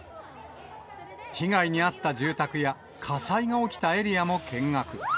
被害に遭った住宅や、火災が起きたエリアも見学。